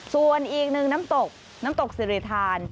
ส่วนอีกหนึ่งน้ำตกน้ำตกสิริธาน